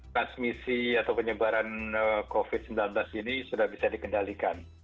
transmisi atau penyebaran covid sembilan belas ini sudah bisa dikendalikan